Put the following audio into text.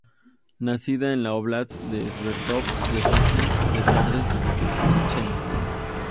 Nacida en la Óblast de Sverdlovsk de Rusia de padres chechenos.